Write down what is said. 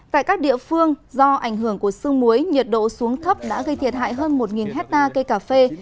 tại các địa phương do ảnh hưởng của sương muối nhiệt độ xuống thấp đã gây thiệt hại hơn một hectare cây cà phê